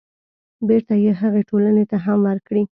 بېرته يې هغې ټولنې ته هم ورکړي.